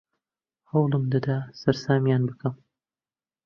هەوڵم دەدا سەرسامیان بکەم.